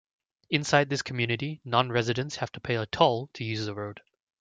Inside this community, nonresidents have to pay a toll to use the road.